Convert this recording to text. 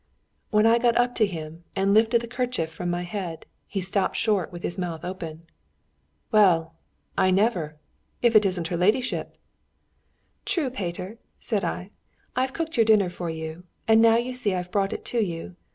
When I got up to him and lifted the kerchief from my head, he stopped short with his mouth open. 'Well, I never! if it isn't her ladyship!' 'True, Peter!' said I. 'I've cooked your dinner for you, and now you see I've brought it to you.